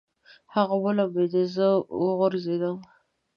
هغه ولمبېده، زه وغورځېدم.